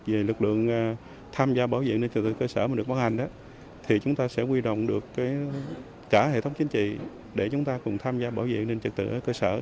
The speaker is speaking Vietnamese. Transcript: vì lực lượng tham gia bảo vệ nền trật tựa cơ sở mà được bắt hành thì chúng ta sẽ quy đồng được cả hệ thống chính trị để chúng ta cùng tham gia bảo vệ nền trật tựa cơ sở